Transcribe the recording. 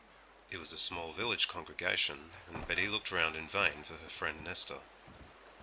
It was a small village congregation; and Betty looked round in vain for her friend Nesta.